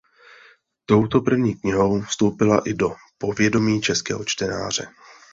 Touto první knihou vstoupila i do povědomí českého čtenáře.